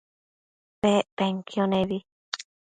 Pec penquio nebi